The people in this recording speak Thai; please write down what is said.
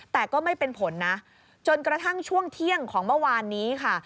แต่ก็ไม่เป็นผลนะจนกระทั่งช่วงเที่ยงของเมื่อวานนี้ค่ะ